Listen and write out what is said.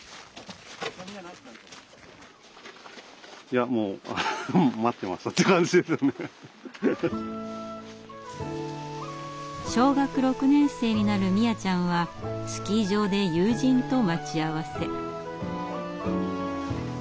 いやもう小学６年生になる実椰ちゃんはスキー場で友人と待ち合わせ。